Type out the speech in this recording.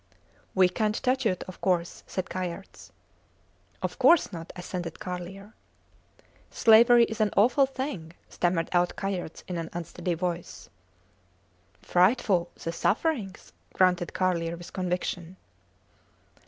We cant touch it, of course, said Kayerts. Of course not, assented Carlier. Slavery is an awful thing, stammered out Kayerts in an unsteady voice. Frightful the sufferings, grunted Carlier with conviction.